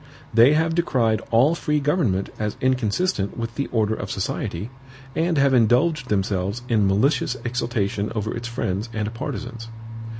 They have decried all free government as inconsistent with the order of society, and have indulged themselves in malicious exultation over its friends and partisans.